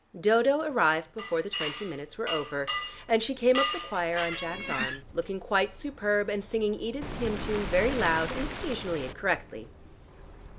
Dodo arrived before the twenty minutes were over, and she came up the choir on Jack's arm, looking quite superb and singing Edith's hymn tune very loud and occasionally incorrectly.